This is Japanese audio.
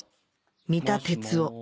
三田哲夫